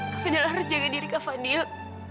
kak fadil harus jaga diri kak fadil